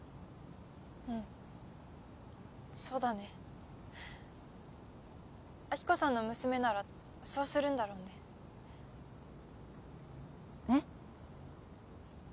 うんそうだね亜希子さんの娘ならそうするんだろうねえっ？